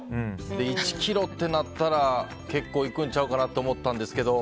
１ｋｇとなったら結構いくんちゃうかなと思ったんですけど。